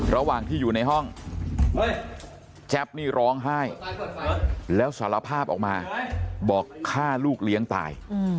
ระหว่างที่อยู่ในห้องแจ๊บนี่ร้องไห้แล้วสารภาพออกมาบอกฆ่าลูกเลี้ยงตาย